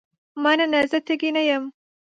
مننه زه تږې نه یم.